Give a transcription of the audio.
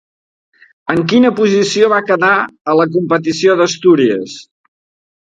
En quina posició va quedar a la competició d'Astúries?